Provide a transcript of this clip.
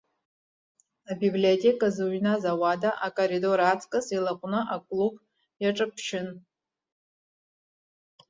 Абиблиотека зыҩназ ауада, акаридор аҵкыс илаҟәны аклуб иаҿаԥшьын.